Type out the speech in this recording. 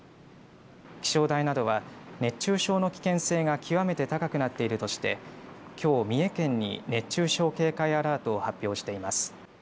気象台などは熱中症の危険性が極めて高くなるとしてきょう三重県に熱中症警戒アラートを発表しています。